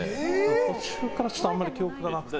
途中からあんまり記憶がなくて。